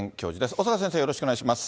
小坂先生、よろしくお願いいたします。